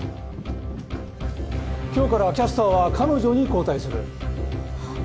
今日からキャスターは彼女に交代するはっ？